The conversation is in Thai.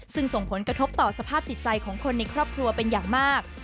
ซึ่งส่งผลกระทบต่อสภาพจิตใจของคนในครอบครัวเป็นอย่างมาก